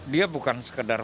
dia bukan sekedar